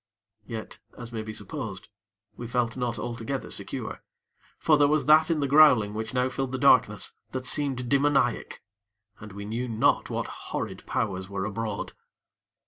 Yet, as may be supposed, we felt not altogether secure; for there was that in the growling which now filled the darkness, that seemed demoniac, and we knew not what horrid Powers were abroad.